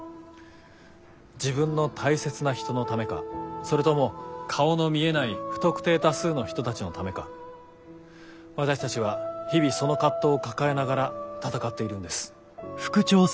自分の大切な人のためかそれとも顔の見えない不特定多数の人たちのためか私たちは日々その葛藤を抱えながら闘っているんです。